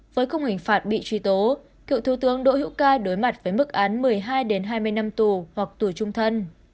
với khung hình phạt bị truy tố cựu thủ tướng đỗ hữu ca đối mặt với mức án một mươi hai hai mươi năm tù hoặc tù trung thân